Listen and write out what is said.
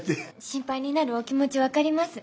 心配になるお気持ち分かります。